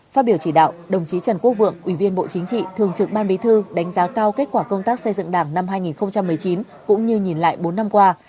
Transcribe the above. phát biểu chỉ đạo đồng chí trần quốc vượng ủy viên bộ chính trị thường trực ban bí thư đánh giá cao kết quả công tác xây dựng đảng năm hai nghìn một mươi chín cũng như nhìn lại bốn năm qua